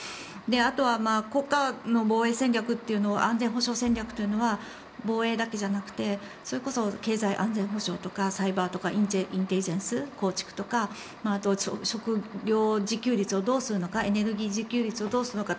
あとは国家の防衛戦略安全保障戦略というのは防衛だけじゃなくてそれこそ経済安全保障とかサイバーとかインテリジェンス構築とか職業自給率を食料自給率をどうするのかエネルギー需給率をどうするのか